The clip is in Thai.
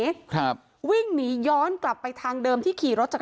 เขาลุกขึ้นมาแล้ววิ่งหนีครับวิ่งหนีย้อนกลับไปทางเดิมที่ขี่รถจาก